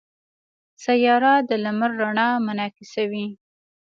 سیاره د لمر رڼا منعکسوي.